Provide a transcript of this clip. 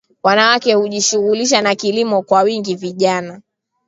wanawake hujishughulisha na kilimo kwa wingi vijijini